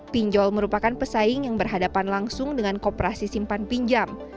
pinjol merupakan pesaing yang berhadapan langsung dengan kooperasi simpan pinjam